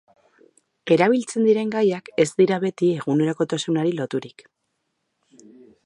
Erabiltzen diren gaiak ez dira beti egunerokotasunari loturik.